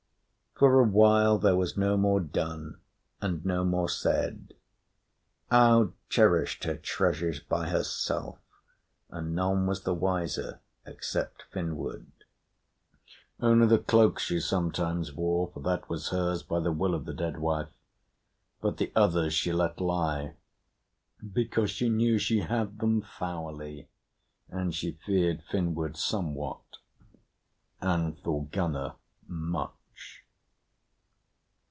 For a while there was no more done and no more said. Aud cherished her treasures by herself, and none was the wiser except Finnward. Only the cloak she sometimes wore, for that was hers by the will of the dead wife; but the others she let lie, because she knew she had them foully, and she feared Finnward somewhat and Thorgunna much.